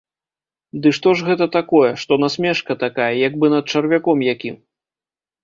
Ды што ж гэта такое, што насмешка такая, як бы над чарвяком якім!